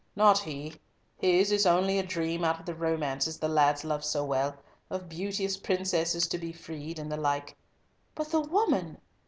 "Not he. His is only a dream out of the romances the lads love so well, of beauteous princesses to be freed, and the like." "But the woman!"